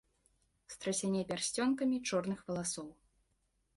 Страсяне пярсцёнкамі чорных валасоў.